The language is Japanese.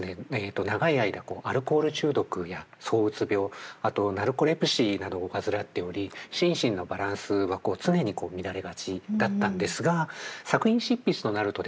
長い間アルコール中毒やそううつ病あとナルコレプシーなどを患っており心身のバランスは常に乱れがちだったんですが作品執筆となるとですね